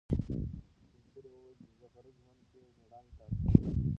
سپین سرې وویل چې د غره ژوند ډېر مېړانې ته اړتیا لري.